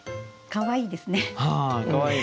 かわいいですね。